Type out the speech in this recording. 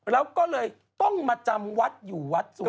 แล้วก็เลยต้องมาจำวัดอยู่วัดสวน